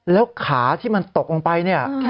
แล้วขาที่มันตกลงไปเนี่ย